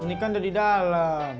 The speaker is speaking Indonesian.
ini kan ada di dalam